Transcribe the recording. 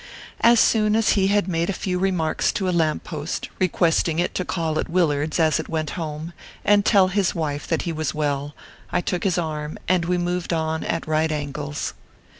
As soon as he had made a few remarks to a lamp post, requesting it to call at Willard s as it went home, and tell his wife that he was well, I took his arm, and we moved on at right angles.